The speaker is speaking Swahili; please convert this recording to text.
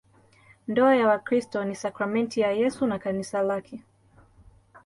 Ndoa ya Wakristo ni sakramenti ya Yesu na Kanisa lake.